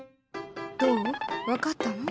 どう分かったの？